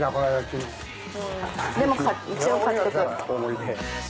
でも一応買っとく。